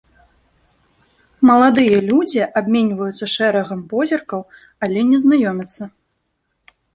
Маладыя людзі абменьваюцца шэрагам позіркаў, але не знаёмяцца.